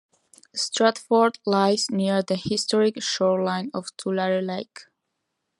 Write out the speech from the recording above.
Stratford lies near the historic shoreline of Tulare Lake.